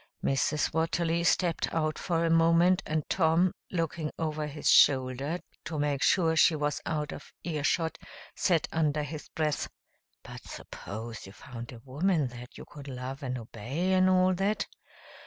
Mrs. Watterly stepped out for a moment and Tom, looking over his shoulder to make sure she was out of ear shot, said under his breath, "But suppose you found a woman that you could love and obey, and all that?"